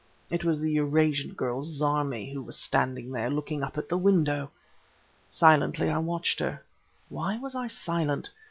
It was the Eurasian girl Zarmi, who was standing there, looking up at the window! Silently I watched her. Why was I silent?